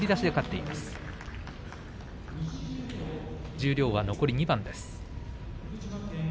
十両は残り２番です。